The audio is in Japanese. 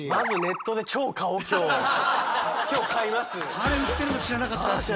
あれ売ってるの知らなかったですね。